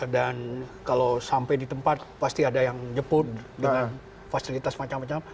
dan kalau sampai di tempat pasti ada yang jeput dengan fasilitas macam macam